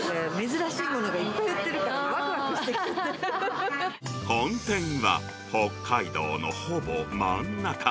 珍しいものがいっぱい売って本店は北海道のほぼ真ん中。